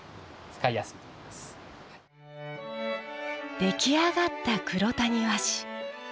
出来上がった黒谷和紙。